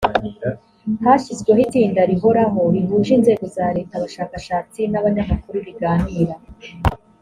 hashyizweho itsinda rihoraho rihuje inzego za leta abashakashatsi n abanyamakuru riganira